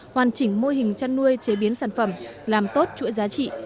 hoàn chỉnh mô hình chăn nuôi chế biến sản phẩm làm tốt chuỗi giá trị